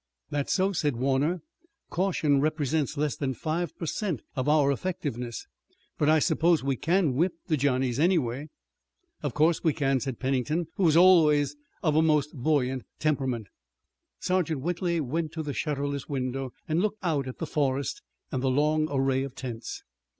"That's so," said Warner. "Caution represents less than five per cent of our effectiveness. But I suppose we can whip the Johnnies anyway." "Of course we can," said Pennington, who was always of a most buoyant temperament. Sergeant Whitley went to the shutterless window, and looked out at the forest and the long array of tents.